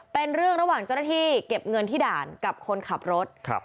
เป็นเรื่องระหว่างเจ้าหน้าที่เก็บเงินที่ด่านกับคนขับรถครับ